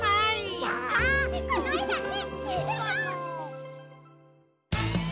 じゃあこのえだね。